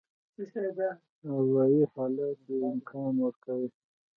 اروایي حالت یې امکان ورکوي.